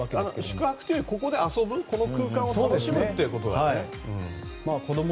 宿泊というよりここで遊ぶこの空間を楽しむってことですね。